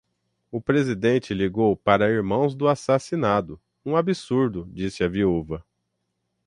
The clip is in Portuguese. O presidente ligou para irmãos do assassinado: 'um absurdo', disse a viúva